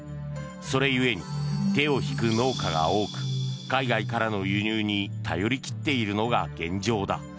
それ故に、手を引く農家が多く海外からの輸入に頼り切っているのが現状だ。